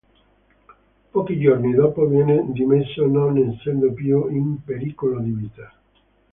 Pochi giorni dopo, viene dimesso, non essendo più in pericolo di vita..